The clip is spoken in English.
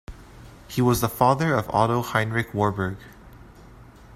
He was the father of Otto Heinrich Warburg.